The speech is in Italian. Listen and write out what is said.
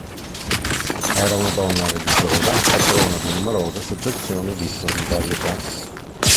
Era una donna religiosa, patrona di numerose associazioni di solidarietà.